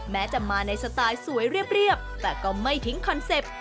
แม้จะมาในสไตล์สวยเรียบแต่ก็ไม่ทิ้งคอนเซ็ปต์